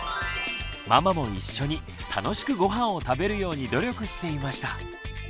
ママも一緒に楽しくごはんを食べるように努力していました。